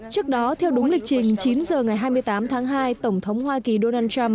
trước đó theo đúng lịch trình chín h ngày hai mươi tám tháng hai tổng thống hoa kỳ donald trump